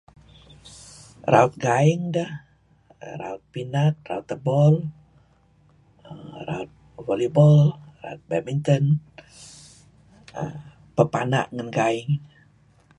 Raut gaing deh raut pinat, raut bol raut volley ball raut badminton, papana' ngen gaing.